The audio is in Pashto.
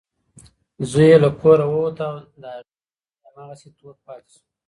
زوی یې له کوره ووت او د هغې چای هماغسې تود پاتې شو.